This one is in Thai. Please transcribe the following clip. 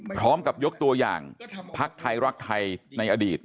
พร้อมกับยกตัวอย่างพักไทยรักไทยในอดีต